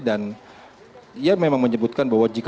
dan dia memang menyebutkan bahwa jika